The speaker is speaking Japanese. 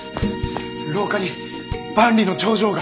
廊下に万里の長城が。